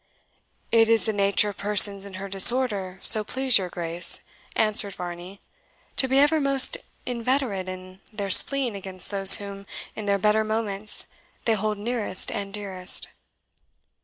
"It is the nature of persons in her disorder, so please your Grace," answered Varney, "to be ever most inveterate in their spleen against those whom, in their better moments, they hold nearest and dearest."